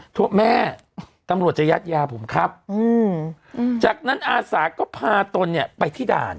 โทษแม่ตำรวจจะยัดยาผมครับจากนั้นอาสาก็พาตนเนี่ยไปที่ด่าน